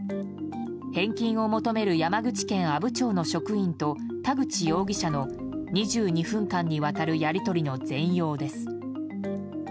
返金を求める山口県阿武町の職員と田口容疑者の、２２分間にわたるやり取りの全容です。